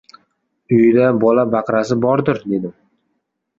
Uyida bola-baqrasi bordir! — dedim.